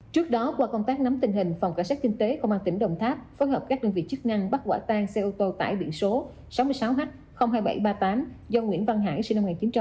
trước đó qua công tác nắm tình hình phòng cảnh sát kinh tế công an tỉnh đồng tháp phối hợp các đơn vị chức năng bắt quả tang xe ô tô tải biển số sáu mươi sáu h hai nghìn bảy trăm ba mươi tám do nguyễn văn hải sinh năm một nghìn chín trăm tám mươi